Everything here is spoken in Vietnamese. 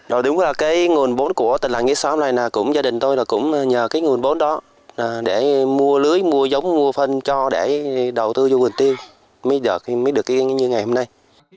đúng là cái nguồn vốn của tình làng nghĩa xóm này gia đình tôi cũng nhờ cái nguồn vốn đó để mua lưới mua giống mua phân cho để đầu tư vườn tiêu mới được như ngày hôm nay